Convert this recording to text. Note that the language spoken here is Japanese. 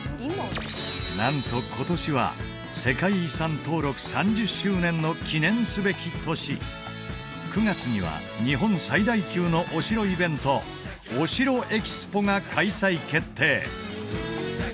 なんと今年はの記念すべき年９月には日本最大級のお城イベントお城ＥＸＰＯが開催決定